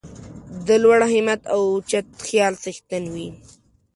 د لوړ همت او اوچت خیال څښتن وي.